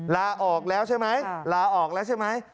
ลาออกแล้วใช่ไหมลาออกแล้วใช่ไหม